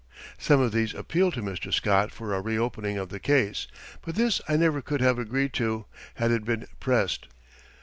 Some of these appealed to Mr. Scott for a reopening of the case, but this I never could have agreed to, had it been pressed.